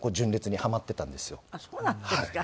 あっそうなんですか。